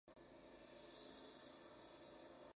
No obstante, jugada con lógica el blanco puede obtener ventaja.